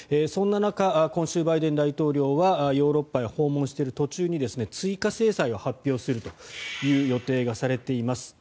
そんな中、今週バイデン大統領はヨーロッパへ訪問している途中に追加制裁を発表するという予定がされています。